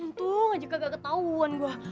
untung aja kagak ketauan gue